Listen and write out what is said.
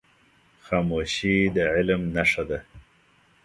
خاموشي، د علم نښه ده.